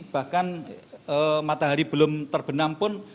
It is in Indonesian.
bahkan matahari belum terbenam pun